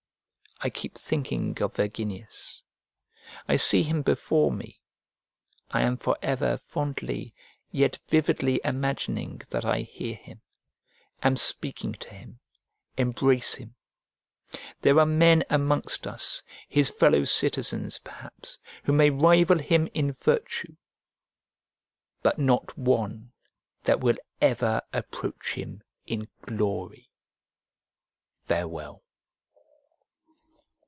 I keep thinking of Verginius: I see him before me: I am for ever fondly yet vividly imagining that I hear him, am speaking to him, embrace him. There are men amongst us, his fellow citizens, perhaps, who may rival him in virtue; but not one that will ever approach him in glory. Farewell.